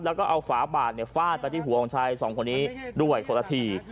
แล้วก็เอาฝาบาดฟาดไปที่หัวของชายสองคนนี้ด้วยคนละที